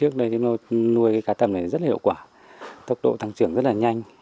nuôi cá tầm này rất hiệu quả tốc độ tăng trưởng rất là nhanh